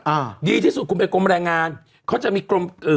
อ่าดีที่สุดคุณไปกรมแรงงานเขาจะมีกรมเอ่อ